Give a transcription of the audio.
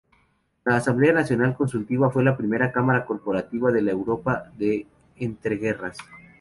La Asamblea Nacional Consultiva fue la primera Cámara corporativa de la Europa de entreguerras.